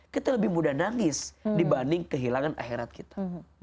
kita lebih mudah nangis dibanding kehilangan akhirat kita